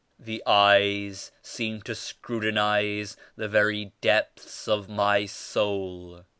The eyes seemed to scrutinize the very depths of my soul.